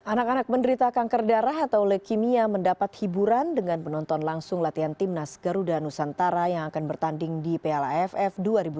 anak anak menderita kanker darah atau leukemia mendapat hiburan dengan penonton langsung latihan timnas garuda nusantara yang akan bertanding di piala aff dua ribu delapan belas